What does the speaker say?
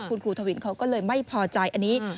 คุณครูทวินเขาก็เลยไม่พอใจอันนี้